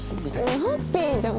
ねえハッピーじゃん！